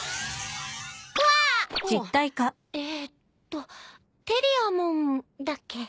えっとテリアモンだっけ？